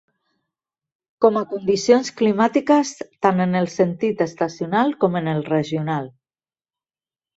Com a condicions climàtiques, tant en el sentit estacional com en el regional.